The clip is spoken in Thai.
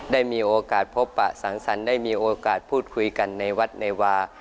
ได้มีโอกาสพบปะสังสรรค์ได้มีโอกาสพูดคุยกันในวัดเนวา